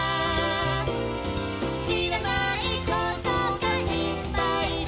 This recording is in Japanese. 「知らないことがいっぱいだ」